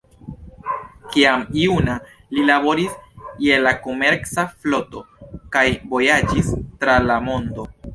Kiam juna, li laboris je la komerca floto kaj vojaĝis tra la mondo.